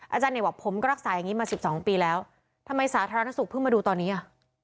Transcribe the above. อาจารย์เนกบอกผมก็รักษาอย่างนี้มาสิบสองปีแล้วทำไมสาธารณสุขเพิ่งมาดูตอนนี้อ่ะ